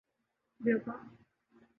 ہیوپا